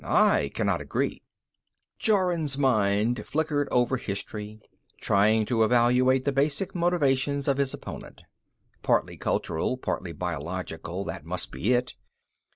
I cannot agree." Jorun's mind flickered over history, trying to evaluate the basic motivations of his opponent. Partly cultural, partly biological, that must be it.